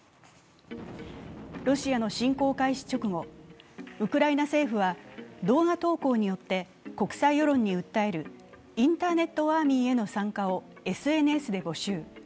ロシアの侵攻開始直後、ウクライナ政府は動画投稿によって国際世論に訴えるインターネット・アーミーへの参加をＳＮＳで募集。